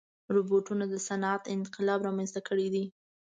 روبوټونه د صنعت انقلاب رامنځته کړی دی.